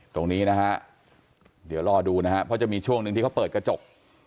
ตรงนี้นะฮะเดี๋ยวรอดูนะครับเพราะจะมีช่วงหนึ่งที่เขาเปิดกระจก